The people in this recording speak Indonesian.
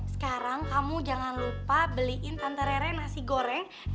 sekarang kamu jangan lupa beliin tante reret nasi goreng